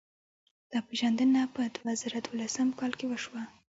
دا پېژندنه په دوه زره دولسم کال کې وشوه.